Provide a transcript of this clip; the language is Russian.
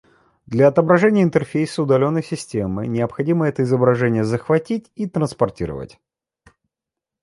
Для отображения интерфейса удаленной системы, необходимо это изображение захватить и транспортировать